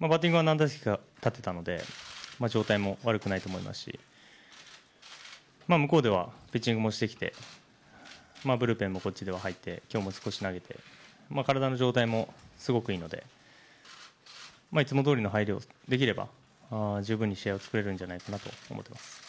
バッティングは何打席か立ってたので、状態も悪くないと思いますし、向こうではピッチングもしてきて、ブルペンもこっちでは入って、きょうも少し投げて、体の状態もすごくいいので、いつもどおりの入りをできれば、十分に試合を作れるんじゃないかなと思います。